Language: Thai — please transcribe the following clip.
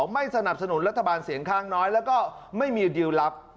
ไม่สนับสนุนรัฐบาลเสียงข้างน้อยแล้วก็ไม่มีดิวลลับ